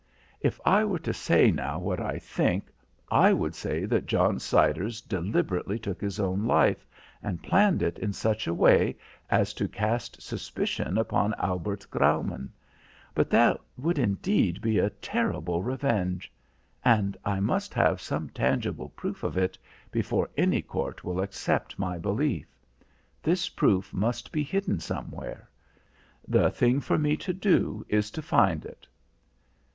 "If I were to say now what I think, I would say that John Siders deliberately took his own life and planned it in such a way as to cast suspicion upon Albert Graumann. But that would indeed be a terrible revenge. And I must have some tangible proof of it before any court will accept my belief. This proof must be hidden somewhere. The thing for me to do is to find it."